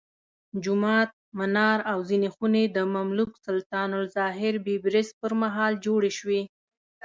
جومات، منار او ځینې خونې د مملوک سلطان الظاهر بیبرس پرمهال جوړې شوې.